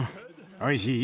おいしい？